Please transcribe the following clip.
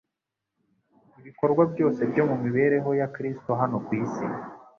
Ibikorwa byose byo mu mibereho ya Kristo hano ku isi,